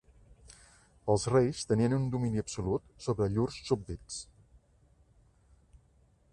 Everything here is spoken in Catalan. Els reis tenien un domini absolut sobre llurs súbdits.